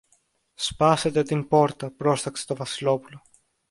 Σπάσετε την πόρτα, πρόσταξε το Βασιλόπουλο.